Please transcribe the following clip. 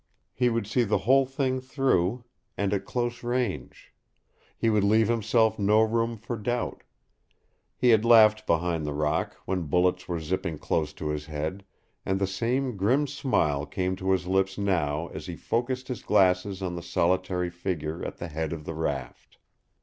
He would see the whole thing through, and at close range. He would leave himself no room for doubt. He had laughed behind the rock, when bullets were zipping close to his head, and the same grim smile came to his lips now as he focused his glasses on the solitary figure at the head of the raft.